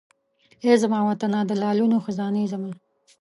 ای زما وطنه د لعلونو خزانې زما!